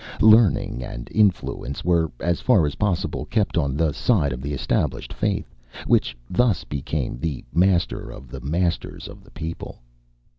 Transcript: Learning and influence were, as far as possible, kept on the side of the established faith, which thus became the master of the masters of the people.